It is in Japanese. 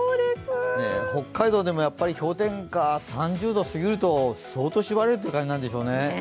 北海道でもやっぱり氷点下３０度を過ぎると相当しばれるという感じなんでしょうね。